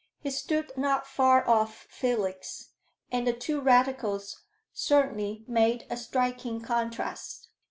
He stood not far off Felix; and the two Radicals certainly made a striking contrast.